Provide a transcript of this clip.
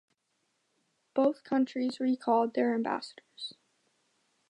Both countries recalled their ambassadors.